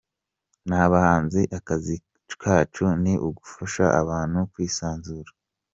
N’abahanzi akazi kacu ni ugufasha abantu kwisanzura.